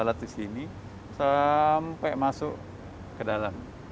alat di sini sampai masuk ke dalam